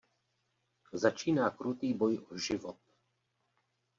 Začíná krutý boj o život.